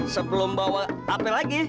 sebelum bawa apa lagi